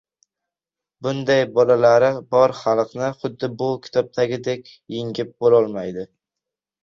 Bunday bolalari bor xalqni, xuddi bu kitobdagiday, yengib bo‘lmaydi.